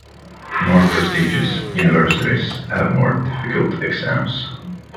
More prestigious universities have more difficult exams.